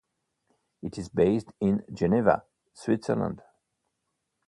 It is based in Geneva, Switzerland.